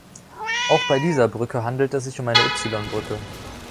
Auch bei dieser Brücke handelt es sich um eine Ypsilon-Brücke.